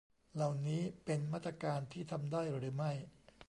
เหล่านี้เป็นมาตรการที่ทำได้หรือไม่